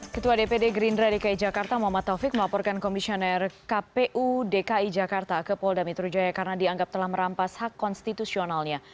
ketua dpd gerindra dki jakarta muhammad taufik melaporkan komisioner kpu dki jakarta ke polda metro jaya karena dianggap telah merampas hak konstitusionalnya